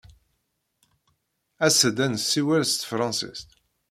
As-d ad nessiwel s tefṛensist.